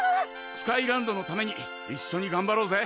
スカイランドのために一緒にがんばろうぜ！